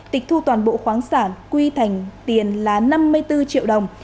tịch thu toàn bộ khoáng sản quy thành tiền là năm mươi bốn triệu đồng